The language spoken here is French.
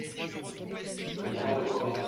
C’est bien là le problème.